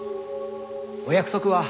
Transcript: お約束は？